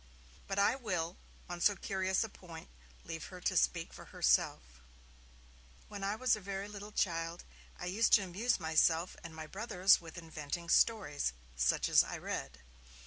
But I will, on so curious a point, leave her to speak for herself: 'When I was a very little child, I used to amuse myself and my brothers with inventing stories, such as I read.